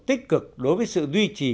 tích cực đối với sự duy trì